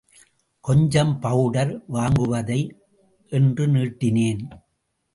கொஞ்சம் பவுடர் வாங்குவதை...... என்று நீட்டினேன்.